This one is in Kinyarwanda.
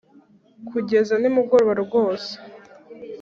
kugeza nimugoroba rwose